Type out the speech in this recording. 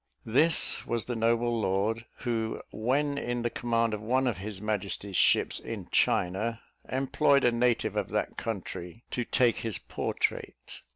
This was the noble lord, who when in the command of one of his Majesty's ships in China, employed a native of that country to take his portrait.